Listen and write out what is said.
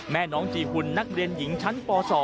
แม่น้องจีหุ่นนักเรียนหญิงชั้นป๒